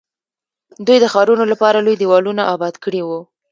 دوی د ښارونو لپاره لوی دیوالونه اباد کړي وو.